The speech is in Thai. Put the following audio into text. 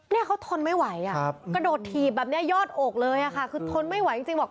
เนี่ยเขาทนไม่ไหวอ่ะกระโดดถีบแบบนี้ยอดอกเลยค่ะคือทนไม่ไหวจริงบอก